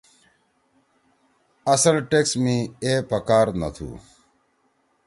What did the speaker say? اصل ٹیکسٹ میں ”اے“ پکار نہ تُھو۔